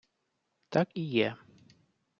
Так і є.